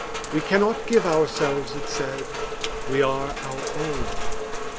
We cannot give ourselves, it said: we are our own.